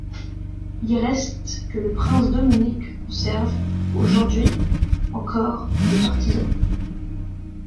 Il reste que le prince Dominique conserve, aujourd'hui encore, des partisans.